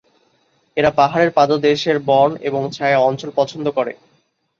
এরা পাহাড়ের পাদদেশের বন এবং ছায়া অঞ্চল পছন্দ করে।